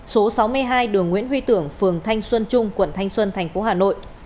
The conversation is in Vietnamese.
số sáu mươi hai đường nguyễn huy tưởng phường thanh xuân trung quận thanh xuân tp hà nội